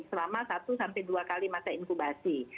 selama satu sampai dua kali masa inkubasi